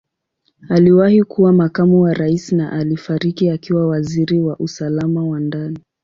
Aliwahi kuwa Makamu wa Rais na alifariki akiwa Waziri wa Usalama wa Ndani.